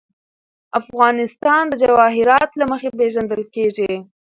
افغانستان د جواهرات له مخې پېژندل کېږي.